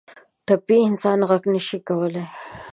ټپي انسان غږ نه شي کولی.